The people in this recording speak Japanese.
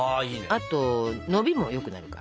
あとのびもよくなるから。